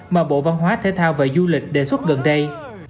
mà bộ văn hóa thể thao và du lịch đề xuất gần đây